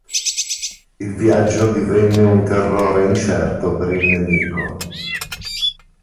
Il viaggio divenne un terrore incerto per il nemico.